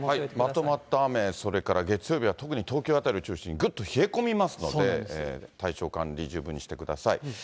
まとまった雨、それから月曜日は特に東京辺りを中心にぐっと冷え込みますので、体調管理、十分にしてください。